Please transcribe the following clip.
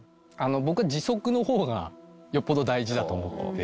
僕自足の方がよっぽど大事だと思ってて。